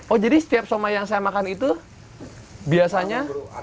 oh jadi setiap soma yang saya makan itu biasanya